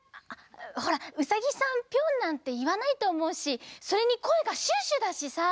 ほらウサギさん「ピョン」なんていわないとおもうしそれにこえがシュッシュだしさ。